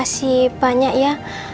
mas makasih banyak ya